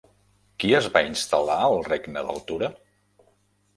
Qui es va instal·lar al regne d'Altura?